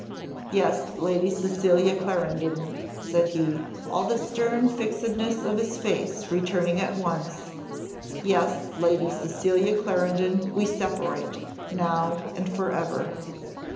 "Yes, Lady Cecilia Clarendon," said he, all the stern fixedness of his face returning at once "Yes, Lady Cecilia Clarendon, we separate, now and for ever."